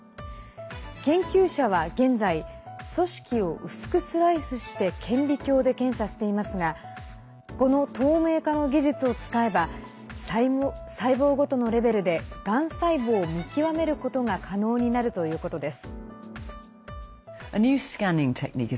研究者は現在組織を薄くスライスして顕微鏡で検査していますがこの透明化の技術を使えば細胞ごとのレベルでがん細胞を見極めることが可能になるということです。